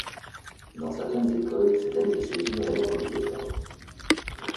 Dans certaines écoles, cette année de césure est même obligatoire.